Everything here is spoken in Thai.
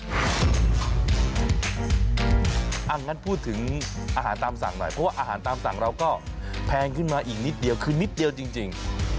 อย่างนั้นพูดถึงอาหารตามสั่งหน่อยเพราะว่าอาหารตามสั่งเราก็แพงขึ้นมาอีกนิดเดียวคือนิดเดียวจริง